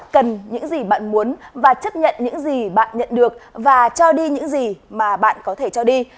cần những gì bạn muốn và chấp nhận những gì bạn nhận được và cho đi những gì mà bạn có thể cho đi